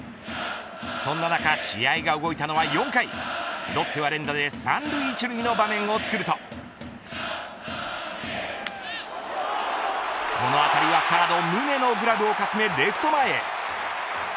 そんな中、試合が動いたのは４回ロッテは連打で３塁１塁の場面をつくるとこの当たりはサード宗のグラブをかすめ、レフト前。